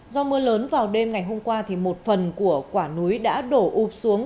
do mưa lớn vào đêm ngày hôm qua một phần của quả núi đã đổ ụp xuống